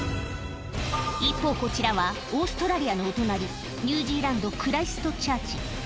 一方、こちらはオーストラリアのお隣、ニュージーランド・クライストチャーチ。